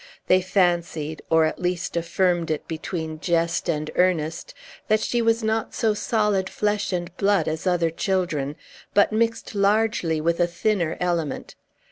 They fancied or, at least, affirmed it, between jest and earnest that she was not so solid flesh and blood as other children, but mixed largely with a thinner element.